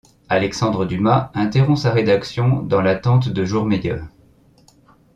Alexandre Dumas interrompt sa rédaction, dans l'attente de jours meilleurs.